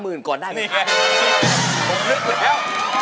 ผมนึกออกเลยแล้ว